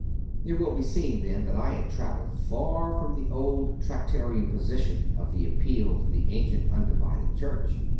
It will be seen, then, that I had travelled far from the old Tractarian position of the appeal to the Ancient Undivided Church.